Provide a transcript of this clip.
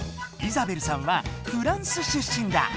イザベルさんはフランス出身だ。